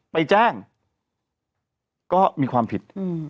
ไปแจ้งก็มีความผิด